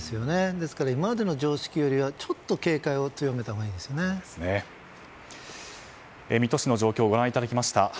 ですから今までの常識よりはちょっと警戒を強めたほうが水戸市の状況をご覧いただきました。